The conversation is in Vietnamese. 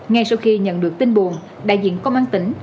ngay sau khi nhận được tin buồn đại diện công an tỉnh